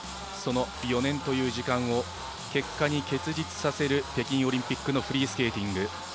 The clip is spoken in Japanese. その４年という時間を結果に結実させる北京オリンピックのフリースケーティング。